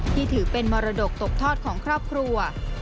ที่ถือเป็นมรดกตกทอดของครอบครัว